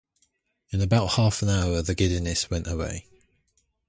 In about half an hour the giddiness went away.